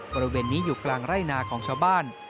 บริเวณนี้อยู่กลางไร่นาของชาวบ้าน